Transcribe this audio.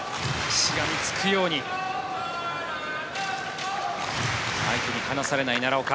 しがみつくように相手に離されない奈良岡。